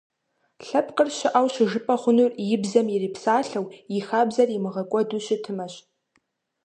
Лъэпкъыр щыӀэу щыжыпӀэ хъунур и бзэм ирипсалъэу, и хабзэр имыгъэкӀуэду щытымэщ.